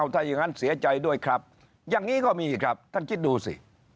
ถ้าอย่างนั้นเสียใจด้วยครับอย่างนี้ก็มีครับท่านคิดดูสิ